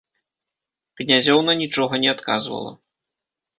Князёўна нічога не адказвала.